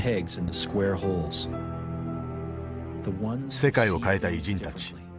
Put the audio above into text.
世界を変えた偉人たち。